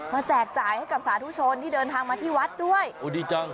แจกจ่ายให้กับสาธุชนที่เดินทางมาที่วัดด้วยโอ้ดีจัง